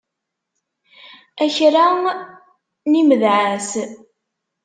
A kra n imedεas!